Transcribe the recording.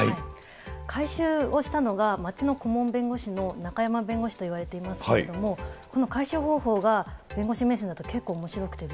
回収をしたのが町の顧問弁護士の中山弁護士といわれていますけれども、この回収方法が弁護士目線だと結構おもしろくて。